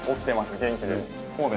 元気です。